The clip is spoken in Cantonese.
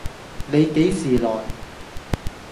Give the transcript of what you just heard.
你幾時來